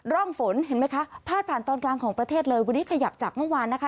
ร่องฝนเห็นไหมคะพาดผ่านตอนกลางของประเทศเลยวันนี้ขยับจากเมื่อวานนะคะ